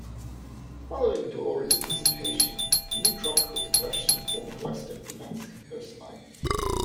Following Dora's dissipation, a new tropical depression formed west of the Mexican coastline.